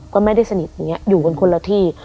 ก็ไม่ได้สนิทอย่างนี้อยู่กันคนละที่